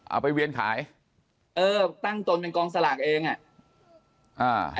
เอาไปเวียนขายเออตั้งตนเป็นกองสลากเองอ่ะอ่า